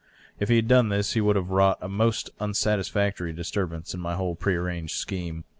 If he had done this he would have wrought a most unsatisfactory disturbance in my whole prearranged scheme.